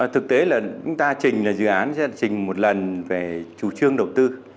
thực tế là chúng ta trình là dự án sẽ trình một lần về chủ trương đầu tư